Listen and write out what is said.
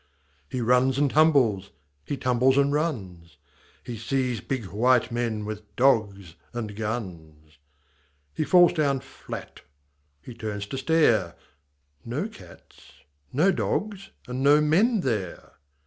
He runs and tumbles, he tumbles and runs. He sees big white men with dogs and guns. He falls down flat. H)e turns to stare — No cats, no dogs, and no men there.